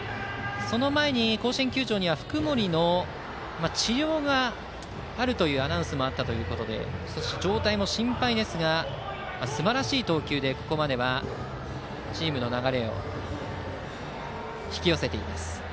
その前に甲子園球場では福盛の治療があるというアナウンスもあったということで状態も心配ですがすばらしい投球でここまではチームの流れを引き寄せています。